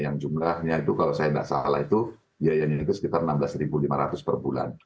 yang jumlahnya itu kalau saya tidak salah itu biayanya itu sekitar rp enam belas lima ratus per bulan